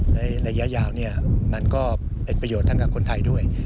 ระยะยาวมันก็เป็นประโยชน์ทั้งกับคนไทยด้วย